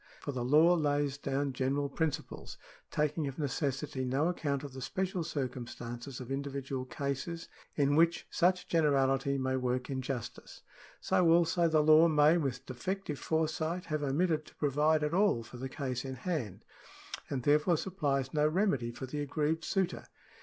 For the law lays down general principles, taking of necessity no account of the special circumstances of individual cases in which such generality may work injustice. So also, the law may with defective foresight have omitted to provide at all for the case in hand, and therefore supplies no remedy for the aggrieved suitor.